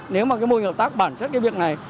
nếu mà mô hình hợp tác bản chất cái việc này